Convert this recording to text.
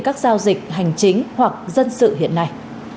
các giao dịch hành chính hoặc dân sự hiện nay